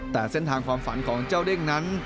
แต่เส้นทางความฝันของเจ้าเด้งนั้น